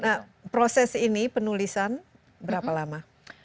nah proses ini penulisan berapa lama